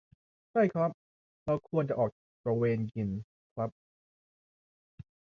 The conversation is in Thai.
ใช่ครับ เราควรจะออกตระเวนกินครับ